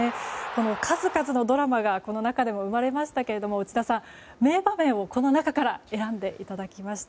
数々のドラマがこの中でも生まれましたが内田さんに名場面をこの中から選んでいただきました。